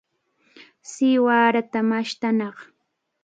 Siwarata mashtanaq.